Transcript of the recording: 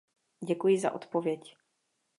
Děkuji za odpověď.